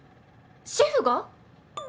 シェフが？